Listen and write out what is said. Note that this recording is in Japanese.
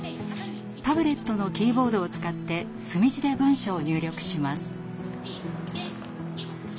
タブレットのキーボードを使って墨字で文章を入力します。